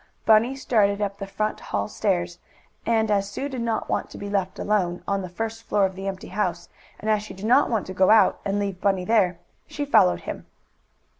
Bunny started up the front hall stairs, and, as Sue did not want to be left alone on the first floor of the empty house, and as she did not want to go out, and leave Bunny there, she followed him.